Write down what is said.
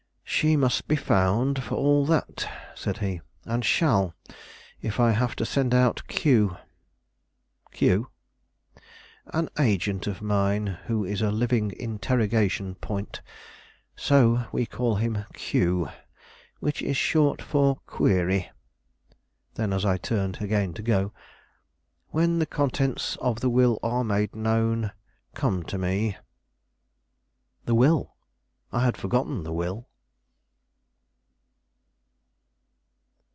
"She must be found for all that," said he, "and shall, if I have to send out Q." "Q?" "An agent of mine who is a living interrogation point; so we call him Q, which is short for query." Then, as I turned again to go: "When the contents of the will are made known, come to me." The will! I had forgotten the will.